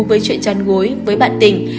với chuyện chăn gối với bản tình